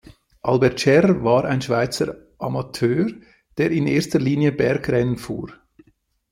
Albert Scherrer war ein Schweizer Amateur, der in erster Linie Bergrennen fuhr.